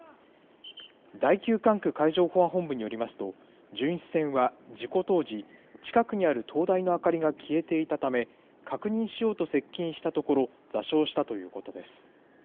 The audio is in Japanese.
第９管区海上保安本部によりますと、巡視船は事故当時、近くにある灯台の明かりが消えていたため、確認しようと接近したところ、座礁したということです。